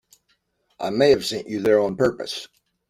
I may have sent you there on purpose.